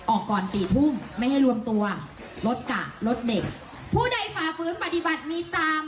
ออกก่อนสี่ทุ่มไม่ให้รวมตัวรถกะรถเด็กผู้ใดฝ่าฟื้นปฏิบัติมีตาม